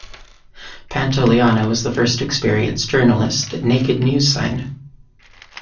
Pantoliano was the first experienced journalist that "Naked News" signed.